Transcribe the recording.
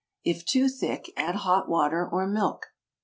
If too thick, add hot water or milk.